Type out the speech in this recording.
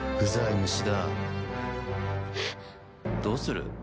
どうする？